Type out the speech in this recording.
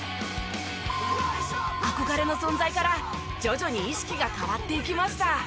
憧れの存在から徐々に意識が変わっていきました。